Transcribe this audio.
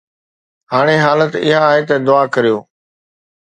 هاڻي حالت اها آهي ته دعا ڪريو